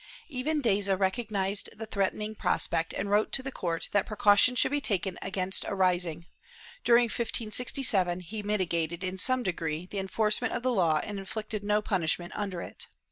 Even Deza recognized the threatening prospect and wrote to the court that precautions should be taken against a rising; during 1567, he mitigated, in some degree, the enforcement of the law and inflicted no punishment under it.